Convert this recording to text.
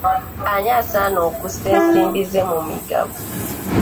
Ani asaana okussa ensimbi ze mu migabo?